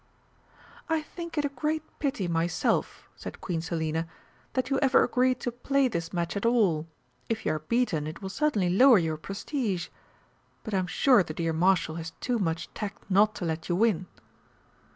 "I think it a great pity myself," said Queen Selina, "that you ever agreed to play this match at all. If you are beaten it will certainly lower your prestige. But I am sure the dear Marshal has too much tact not to let you win."